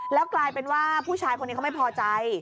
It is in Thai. แล้วกลายเป็นว่าผู้ชายคนนี้เขาไม่พอใจ